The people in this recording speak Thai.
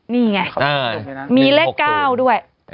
นี่ไงมีเลข๙ด้วย